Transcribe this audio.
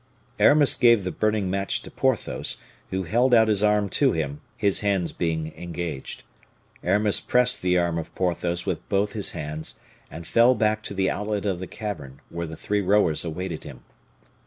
Aramis gave the burning match to Porthos, who held out his arm to him, his hands being engaged. Aramis pressed the arm of Porthos with both his hands, and fell back to the outlet of the cavern where the three rowers awaited him.